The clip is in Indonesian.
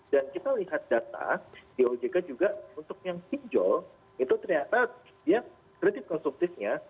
dan kita lihat data di ojk juga untuk yang pinjol itu ternyata ya kritis konsumtifnya